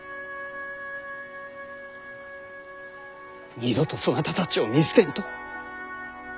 二度とそなたたちを見捨てんと。